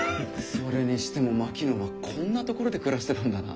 それにしても槙野はこんな所で暮らしてたんだな。